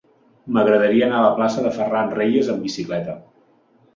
M'agradaria anar a la plaça de Ferran Reyes amb bicicleta.